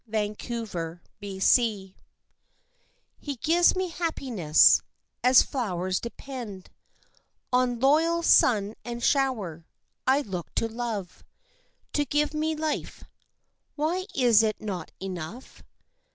XXV The Gypsy Blood He gives me happiness, as flowers depend On loyal sun and shower. I look to love To give me life. Why is it not enough?